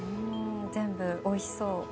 全部、おいしそう。